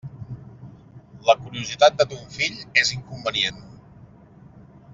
La curiositat de ton fill és inconvenient.